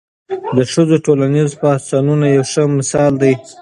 د ښځو ټولنیز پاڅونونه یو ښه مثال دی.